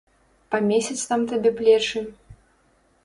Памесяць там табе плечы.